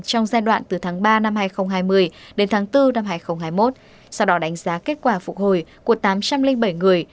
trong giai đoạn từ tháng ba năm hai nghìn hai mươi đến tháng bốn năm hai nghìn hai mươi một sau đó đánh giá kết quả phục hồi của tám trăm linh bảy người